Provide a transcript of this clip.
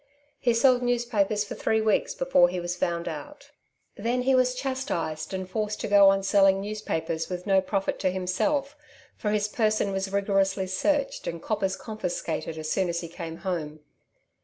He sold newspapers for three weeks before he was found out. Then he was chastised and forced to go on selling newspapers with no profit to himself, for his person was rigorously searched and coppers confiscated as soon as he came home.